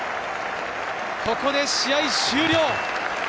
ここで試合終了。